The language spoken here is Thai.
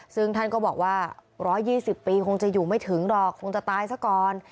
ซึ่งท่านก็บอกว่า๑๒๐ปีคงจะอยู่ไม่ถึงหรอกคงจะตายซะก่อน